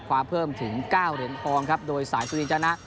คว้าเพิ่มถึง๙เหรียญทองครับโดยสายสุดีจ้านะ